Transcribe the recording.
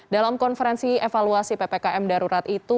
dalam konferensi evaluasi ppkm darurat itu